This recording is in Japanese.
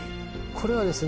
これはですね